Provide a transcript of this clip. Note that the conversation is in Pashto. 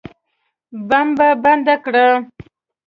بمبه بنده کړه.